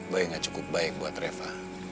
baik gak cukup baik buat reva